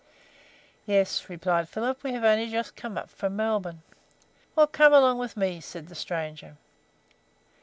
"Yes," replied Philip, "we have only just come up from Melbourne." "Well, come along with me," said the stranger.